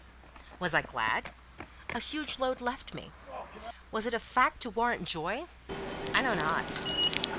Was I glad? A huge load left me. Was it a fact to warrant joy? I know not.